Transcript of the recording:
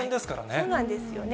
そうなんですよね。